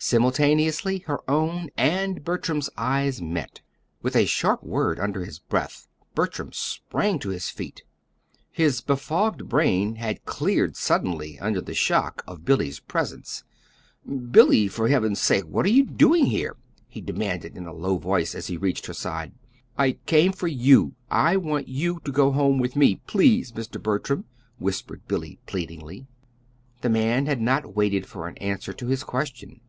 Simultaneously her own and Bertram's eyes met. With a sharp word under his breath Bertram sprang to his feet. His befogged brain had cleared suddenly under the shock of Billy's presence. "Billy, for Heaven's sake what are you doing here?" he demanded in a low voice, as he reached her side. "I came for you. I want you to go home with me, please, Mr. Bertram," whispered Billy, pleadingly. The man had not waited for an answer to his question.